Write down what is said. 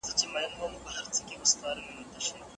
د بهرنی تګلاري موخي تل عملي بڼه نه خپلوي.